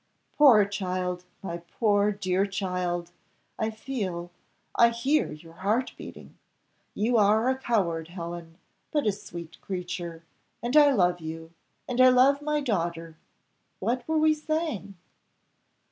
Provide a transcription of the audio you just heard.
"Poor child! my poor, dear child, I feel I hear your heart beating. You are a coward, Helen, but a sweet creature; and I love you and I love my daughter. What were we saying?"